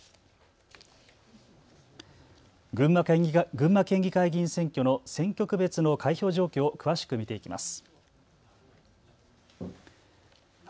群馬県議会議員選挙の選挙区別の開票状況を詳しく見ていきます。